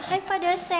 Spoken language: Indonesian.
oh hai pak dosen